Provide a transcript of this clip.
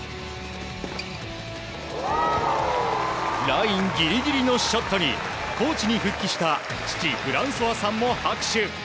ラインギリギリのショットにコーチに復帰した父フランソワさんも拍手。